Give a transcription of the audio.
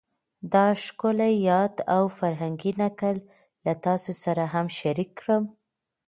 دا ښکلی یاد او فرهنګي نکل له تاسو سره هم شریک کړم